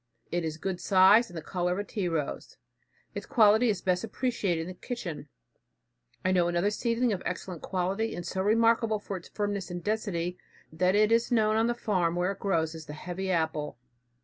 It is good size, and the color of a tea rose. Its quality is best appreciated in the kitchen. I know another seedling of excellent quality and so remarkable for its firmness and density, that it is known on the farm where it grows as the "heavy apple."